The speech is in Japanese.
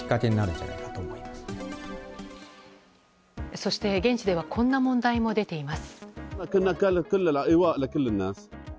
そして現地ではこんな問題も出ています。